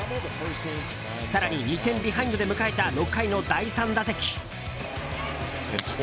更に、２点ビハインドで迎えた６回の第３打席。